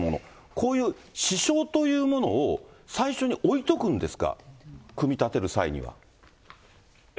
こういう支承というものを最初に置いとくんですか、組み立てる際には。